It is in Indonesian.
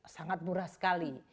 sangat murah sekali